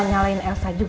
kita makan l impersonasi